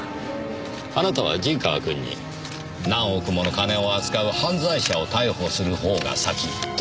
あなたは陣川君に「何億もの金を扱う犯罪者を逮捕するほうが先」と言いました。